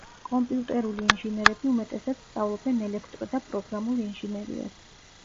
კომპიუტერული ინჟინერები უმეტესად სწავლობენ ელექტრო და პროგრამულ ინჟინერიას.